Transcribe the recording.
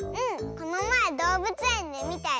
このまえどうぶつえんでみたよ！